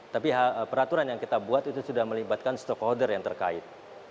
tapi peraturan yang kita buat itu sudah melibatkan stakeholder yang terkait